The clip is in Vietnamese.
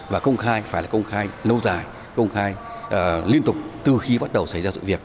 và công khai phải là công khai lâu dài công khai liên tục từ khi bắt đầu xảy ra sự việc